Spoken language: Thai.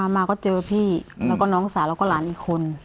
มาก็เจอพี่แล้วก็น้องสาวแล้วก็หลานอีกคน